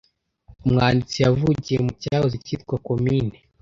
umwanditsi yavukiye mu cyahoze cyitwa komine